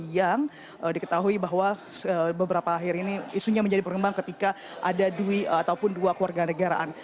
yang diketahui bahwa beberapa akhir ini isunya menjadi pengembang ketika ada dwi ataupun dua keluarga negaraan